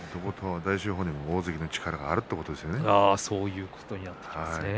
大翔鵬にも大関の力があるということですね。